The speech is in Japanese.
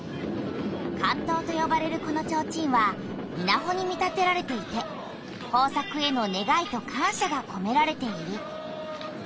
竿燈とよばれるこのちょうちんはいなほに見立てられていてほう作への願いと感しゃがこめられている。